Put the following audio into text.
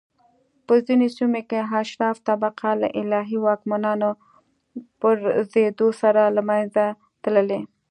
په ځینو سیمو کې اشراف طبقه له الهي واکمنانو پرځېدو سره له منځه تللي